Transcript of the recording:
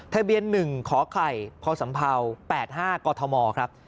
ทะเบียน๑คไข่คสัมเภา๘๕กมครับ